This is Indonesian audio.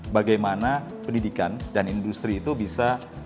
bagaimana pendidikan dan industri itu bisa mencapai kebutuhan industri